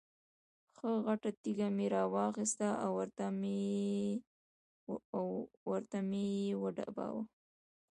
ښه غټه تیږه مې را واخسته او ورته مې یې وډباړه.